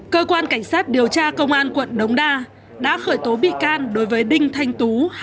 cơ quan cảnh sát điều tra công an quận đống đa đã khởi tố bị can đối với đinh thanh tú